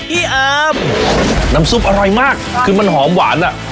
อามน้ำซุปอร่อยมากคือมันหอมหวานอ่ะ